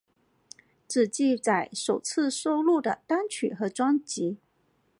只记载首次收录的单曲和专辑。